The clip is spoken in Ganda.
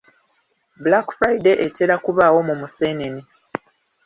Black Friday etera kubaawo mu Museenene.